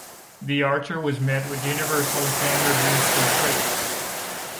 The Archer was met with universal acclaim reviews from critics.